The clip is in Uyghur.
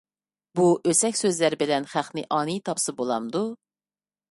بۇ ئۆسەك سۆزلەر بىلەن خەقنى ئانىي تاپسا بولامدۇ؟